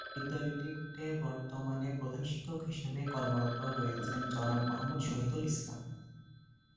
বিদ্যালয়টিতে বর্তমানে প্রধান শিক্ষক হিসেবে কর্মরত রয়েছেন জনাব মোহাম্মদ শহীদুল ইসলাম।